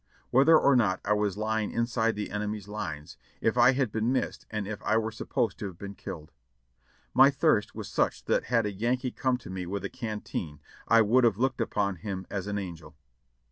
Whether or not I was lying inside the enemy's lines — if I had been missed and if I were supposed to have been killed? My thirst was such that had a Yankee come to me with a canteen I would have THE BATTLE CONTINUED 547 looked upon him as an angel.